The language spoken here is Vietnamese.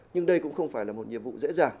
nhưng đây cũng không phải là một nhiệm vụ dễ dàng